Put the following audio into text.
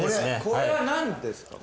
これはなんですか？